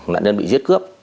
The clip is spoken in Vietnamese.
nạn nhân bị giết cướp